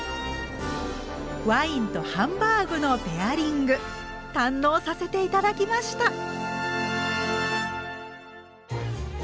ワインとハンバーグのペアリング堪能させて頂きました！